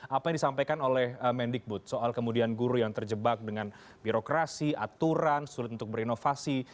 apa yang disampaikan oleh mendikbud soal kemudian guru yang terjebak dengan birokrasi aturan sulit untuk berinovasi